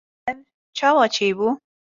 Ev çawa çêbû?